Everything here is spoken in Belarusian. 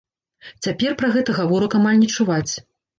Цяпер пра гэта гаворак амаль не чуваць.